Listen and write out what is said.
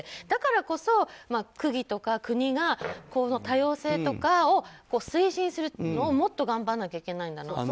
だからこそ区議とか国が多様性とかを推進するのをもっと頑張らなきゃいけないなと。